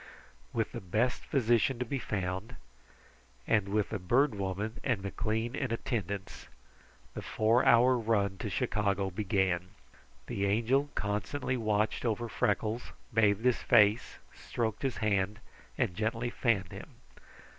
With the best physician to be found, and with the Bird Woman and McLean in attendance, the four hours' run to Chicago began. The Angel constantly watched over Freckles; bathed his face, stroked his hand, and gently fanned him.